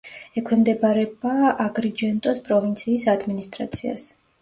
ექვემდებარება აგრიჯენტოს პროვინციის ადმინისტრაციას.